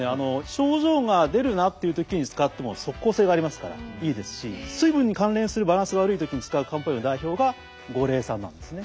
症状が出るなっていう時に使っても即効性がありますからいいですし水分に関連するバランス悪い時に使う漢方薬の代表が五苓散なんですね。